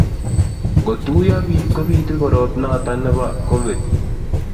ngotuiyi biik kobiitu korotnoto nebo covid